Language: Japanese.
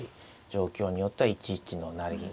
状況によっては１一の成銀。